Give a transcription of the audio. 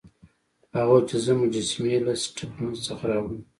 هغه وویل چې زه مجسمې له سټپني څخه راوړم.